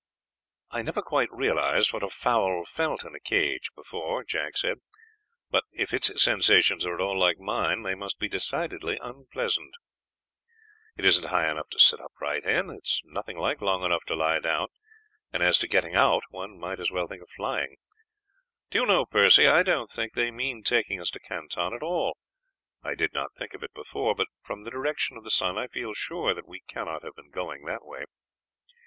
"I never quite realized what a fowl felt in a coop before," Jack said, "but if its sensations are at all like mine they must be decidedly unpleasant. It isn't high enough to sit upright in, it is nothing like long enough to lie down, and as to getting out one might as well think of flying. Do you know, Percy, I don't think they mean taking us to Canton at all. I did not think of it before, but from the direction of the sun I feel sure that we cannot have been going that way.